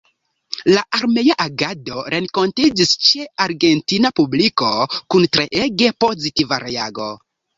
La armea agado renkontiĝis ĉe argentina publiko kun treege pozitiva reago.